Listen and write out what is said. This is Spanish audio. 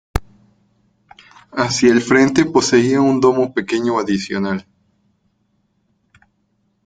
Hacia el frente, poseía un domo pequeño adicional.